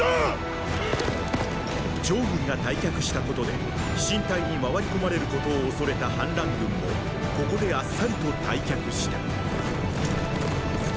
趙軍が退却したことで飛信隊に回り込まれることを恐れた反乱軍もここであっさりと退却した。